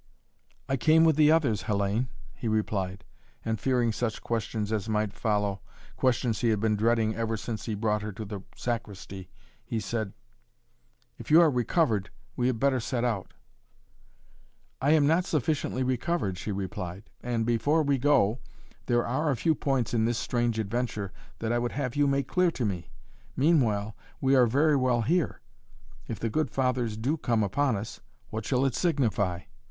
"I came with the others, Hellayne," he replied, and, fearing such questions as might follow questions he had been dreading ever since he brought her to the sacristy, he said: "If you are recovered, we had better set out." "I am not yet sufficiently recovered," she replied. "And, before we go, there are a few points in this strange adventure that I would have you make clear to me! Meanwhile we are very well here! If the good fathers do come upon us, what shall it signify?"